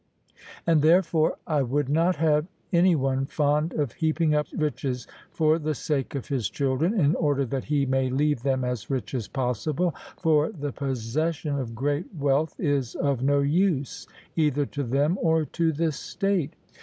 And, therefore, I would not have any one fond of heaping up riches for the sake of his children, in order that he may leave them as rich as possible. For the possession of great wealth is of no use, either to them or to the state.